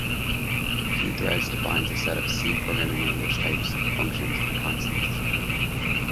Pthreads defines a set of C programming language types, functions and constants.